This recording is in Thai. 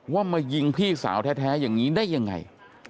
ว่ามายิงพี่สาวแท้อย่างนี้ได้ยังไง